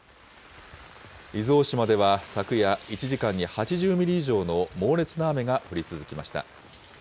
伊豆大島では昨夜、１時間に８０ミリ以上の猛烈な雨が降り続きました。